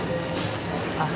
あっ。